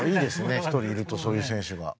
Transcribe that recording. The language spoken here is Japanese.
一人いるとそういう選手が。